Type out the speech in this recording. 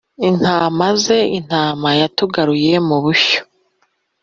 Intama ze intama, Yatugaruye mu bushyo.